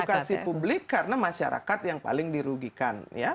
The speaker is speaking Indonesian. edukasi publik karena masyarakat yang paling dirugikan